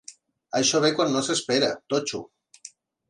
Això ve quan no s'espera, totxo.